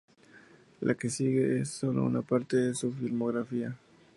La que sigue es sólo una parte de su filmografía.